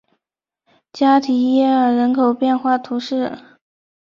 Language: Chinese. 加提耶尔人口变化图示